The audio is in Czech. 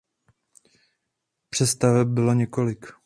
Přestaveb bylo několik.